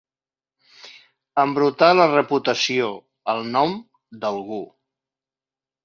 Embrutar la reputació, el nom, d'algú.